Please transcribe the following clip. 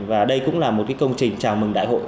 và đây cũng là một công trình chào mừng đại hội